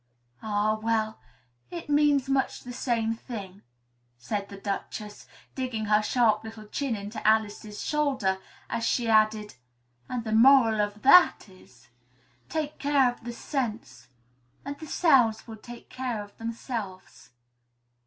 "Ah, well! It means much the same thing," said the Duchess, digging her sharp little chin into Alice's shoulder, as she added "and the moral of that is 'Take care of the sense and the sounds will take care of themselves.'"